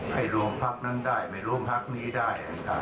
ให้รวมทักนั้นได้ให้รวมทักนี้ได้ตามนะครับ